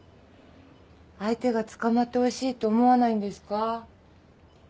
相手が捕まってほしいと思わないんですか？